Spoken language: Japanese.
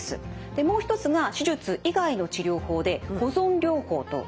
もう一つが手術以外の治療法で保存療法といいます。